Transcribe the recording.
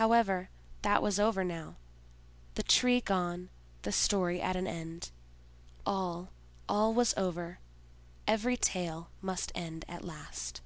However, that was over now—the Tree gone, the story at an end. All, all was over; every tale must end at last.